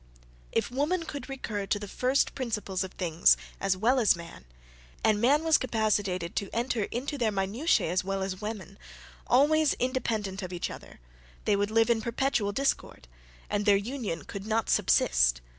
If woman could recur to the first principles of things as well as man, and man was capacitated to enter into their minutae as well as woman, always independent of each other, they would live in perpetual discord, and their union could not subsist.